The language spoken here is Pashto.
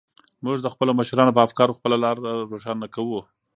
موږ د خپلو مشرانو په افکارو خپله لاره روښانه کوو.